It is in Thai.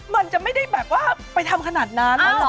มันจะไม่ได้แบบว่าไปทำขนาดนั้น